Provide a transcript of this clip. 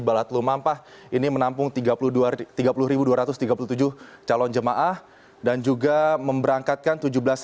balat lumampah ini menampung tiga puluh dua ratus tiga puluh tujuh calon jemaah dan juga memberangkatkan tujuh belas tiga ratus delapan puluh tiga